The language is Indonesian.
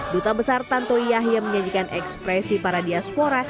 duta besar tanto yahya menyajikan ekspresi para diaspora